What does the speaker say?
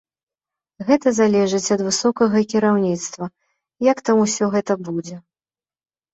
Гэта залежыць ад высокага кіраўніцтва, як там усё гэта будзе.